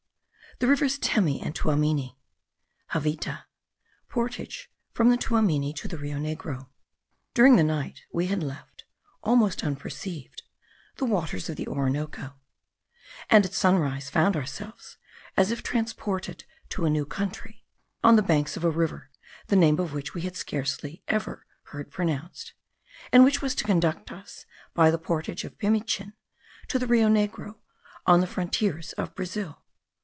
THE RIVERS TEMI AND TUAMINI. JAVITA. PORTAGE FROM THE TUAMINI TO THE RIO NEGRO. During the night, we had left, almost unperceived, the waters of the Orinoco; and at sunrise found ourselves as if transported to a new country, on the banks of a river the name of which we had scarcely ever heard pronounced, and which was to conduct us, by the portage of Pimichin, to the Rio Negro, on the frontiers of Brazil.